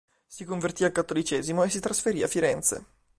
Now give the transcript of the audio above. Si convertì al cattolicesimo e si trasferì a Firenze.